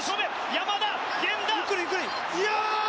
山田、源田！